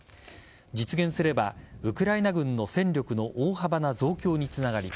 実現すればウクライナ軍の戦力の大幅な増強につながり